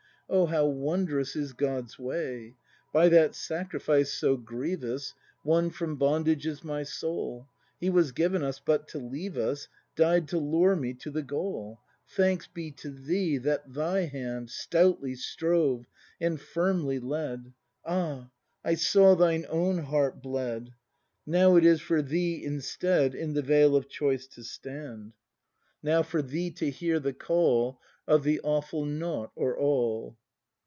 O how wond'rous is God's way! By that sacrifice, so grievous. Won from bondage is my soul; He was given us but to leave us, Died to lure me to the goal. Thanks be to thee that thy hand Stoutly strove and firmly led — Ah, I saw thine own heart bled. Now it is for thee, instead. In the vale of choice to stand, 210 BRAND [ACT iv Now for thee to hear the call Of the awful Nought or All.